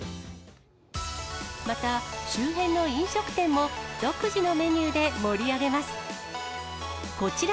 また、周辺の飲食店も、独自のメニューで盛り上げます。